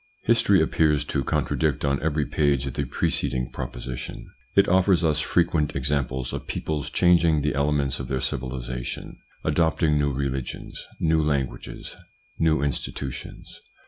History appears to contradict on every page the preceding proposition. It offers us frequent ex amples of peoples changing the elements of their civilisation, adopting new religions, new languages, new institutions.